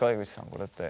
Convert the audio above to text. これって。